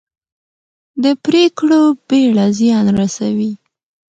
د پرېکړو بېړه زیان رسوي